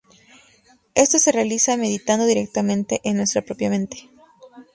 Esto se realiza meditando directamente en nuestra propia mente.